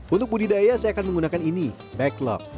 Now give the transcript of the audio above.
untuk budidaya saya akan menggunakan ini backlog